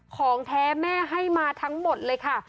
ของแท้แม่ให้มาทั้งหมดเลยค่ะ